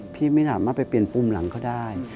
พี่ไม่สามารถไปเปลี่ยนปุ่มหลังเขาได้